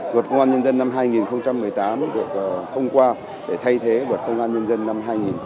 việc quốc hội thông qua luật công an nhân dân năm hai nghìn một mươi tám được thông qua để thay thế luật công an nhân dân năm hai nghìn một mươi bốn